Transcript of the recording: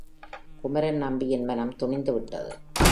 குமரன்நம்பியின் மனம் துணிந்து விட்டது.